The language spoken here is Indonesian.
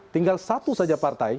tinggal satu saja partai